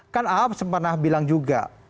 kan ahok pernah bilang juga